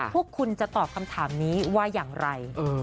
พวกคุณจะตอบคำถามนี้ว่าอย่างไร